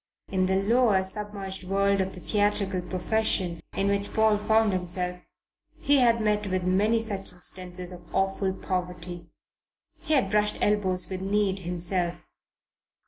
In the lower submerged world of the theatrical profession in which Paul found himself he had met with many such instances of awful poverty. He had brushed elbows with Need himself.